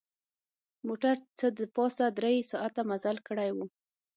موټر څه د پاسه درې ساعته مزل کړی و.